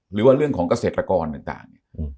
หรือว่าเรื่องของเกษตรกรต่างเนี่ย